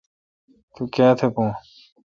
تو کایتھ بھو۔